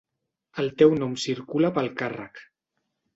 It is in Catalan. El teu nom circula pel càrrec.